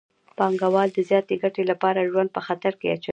پانګوال د زیاتې ګټې لپاره ژوند په خطر کې اچوي